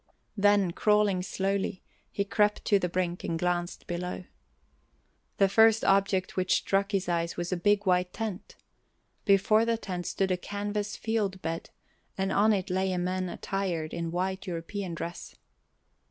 Then, crawling slowly, he crept to the brink and glanced below. The first object which struck his eyes was a big white tent; before the tent stood a canvas field bed, and on it lay a man attired in a white European dress.